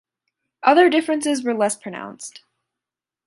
Other differences were less pronounced.